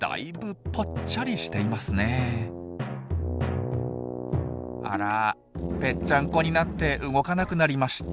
あらぺっちゃんこになって動かなくなりました。